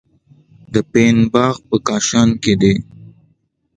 د فین باغ په کاشان کې دی.